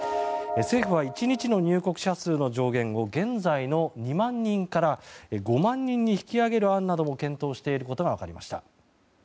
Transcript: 政府は１日の入国者数の上限を現在の２万人から５万人に引き上げる案なども検討していることが分かりました。